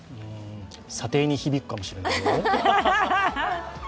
査定に響くかもしれないよ。